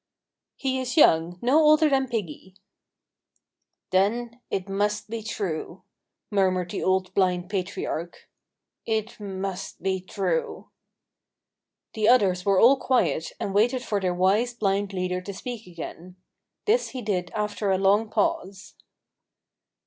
"He is young, no older than Piggy." "Then it must be true," murmured the old blind patriarch. "It must be true." The others were all quiet, and waited for their wise, blind leader to speak again. This he did after a long pause.